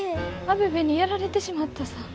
アベベにやられてしまったさぁ。